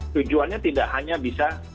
tujuannya tidak hanya bisa